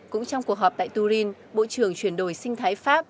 cũng trong cuộc họp tại turin bộ trưởng chuyển đổi sinh thái pháp